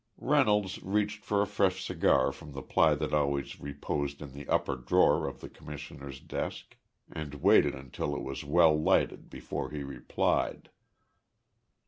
Reynolds reached for a fresh cigar from the supply that always reposed in the upper drawer of the Commissioner's desk and waited until it was well lighted before he replied.